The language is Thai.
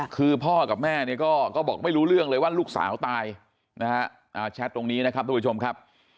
คือพ่อกับแม่เนี่ยก็บอกไม่รู้เรื่องเลยว่าลูกสาวตายนะฮะแชทตรงนี้นะครับทุกผู้ชมครับ